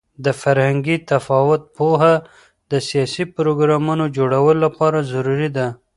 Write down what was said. د فرهنګي تفاوت پوهه د سیاسي پروګرامونو جوړولو لپاره ضروري ده.